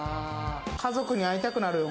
家族に会いたくなるよ。